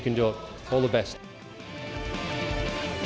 แกจะทำได้ทุกคนที่ยอมที่สุด